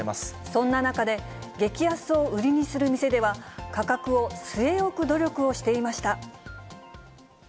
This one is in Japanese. そんな中で、激安を売りにする店では、価格を据え置く努力をしていました。